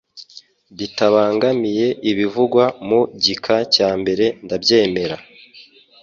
bitabangamiye ibivugwa mu gika cya mbere nabyemera